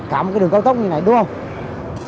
cả một cái đường cao tốc như này đúng không